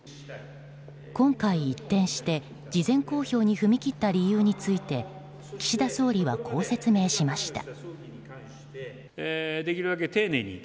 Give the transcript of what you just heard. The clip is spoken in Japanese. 今回、一転して事前公表に踏み切った理由について岸田総理はこう説明しました。